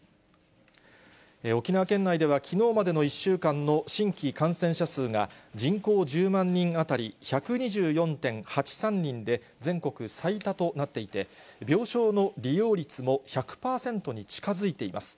沖縄県内ではきのうまでの１週間の新規感染者数が、人口１０万人当たり１２４．８３人で、全国最多となっていて、病床の利用率も１００％に近づいています。